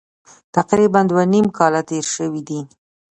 تقریبا دوه نیم کاله تېر شوي دي.